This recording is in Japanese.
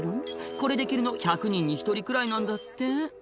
「これできるの１００人に１人くらいなんだって」